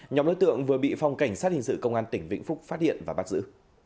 nhóm đối tượng vừa bị phòng cảnh sát hình sự công an tỉnh vĩnh phúc phát hiện và bắt giữ